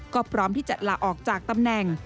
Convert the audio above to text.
ก็พร้อมที่จะลาออกจากตำแหน่ง